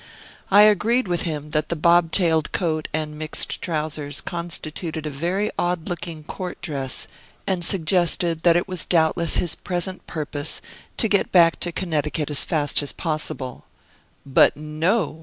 I agreed with him that the bobtailed coat and mixed trousers constituted a very odd looking court dress, and suggested that it was doubtless his present purpose to get back to Connecticut as fast as possible. But no!